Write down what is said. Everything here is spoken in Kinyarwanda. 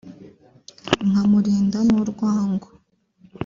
nkamurinda n’urwango